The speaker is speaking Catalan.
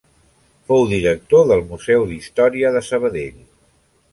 Fou director del Museu d'Història de Sabadell.